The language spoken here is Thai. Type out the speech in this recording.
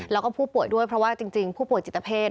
แล้วก็ผู้ป่วยด้วยเพราะว่าจริงผู้ป่วยจิตเพศ